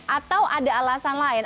atau ada alasan lain